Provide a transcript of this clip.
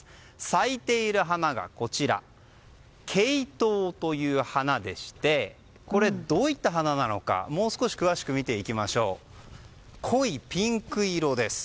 咲いている花がケイトウという花でどういった花なのかもう少し詳しく見ていきますと濃いピンク色です。